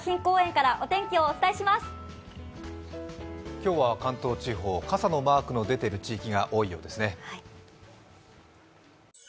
今日は関東地方、傘のマークの出ている地域が多いようですね。